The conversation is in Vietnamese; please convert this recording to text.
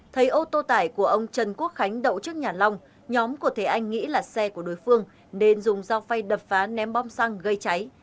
thấy ô tô tải của ông trần quốc khánh đậu trước nhà long nhóm của thế anh nghĩ là xe của đối phương nên dùng dao phay đập phá ném bom xăng gây cháy